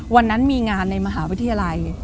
วันนั้นมีงานในมหาวิทยาลัย